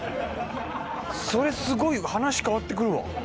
それすごい話変わってくるわ。